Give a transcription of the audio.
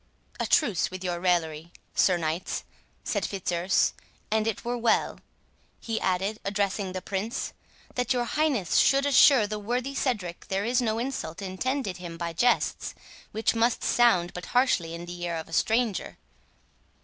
"A truce with your raillery, Sir Knights," said Fitzurse;—"and it were well," he added, addressing the Prince, "that your highness should assure the worthy Cedric there is no insult intended him by jests, which must sound but harshly in the ear of a stranger."